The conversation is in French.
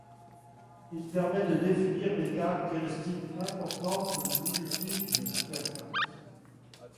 Il permet de définir les caractéristiques importantes ou inutiles d'une interface.